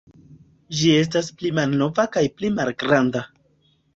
Ĝi estas pli malnova kaj pli malgranda.